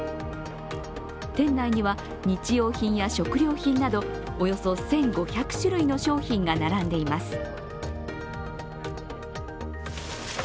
店内には日用品や食料品などおよそ１５００種類の商品が並んでいます。